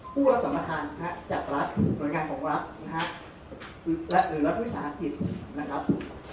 ผู้รับสรรพทางจากรัฐบรายการของรัฐและหรือรัฐวิสาหกิตนะครับ